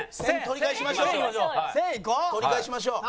取り返しましょう。